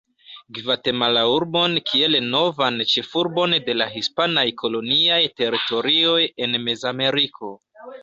Gvatemala-urbon kiel novan ĉefurbon de la hispanaj koloniaj teritorioj en Mezameriko.